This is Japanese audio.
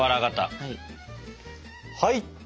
はい！